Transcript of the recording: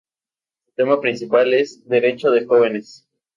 Su tema principal es "derechos de jóvenes".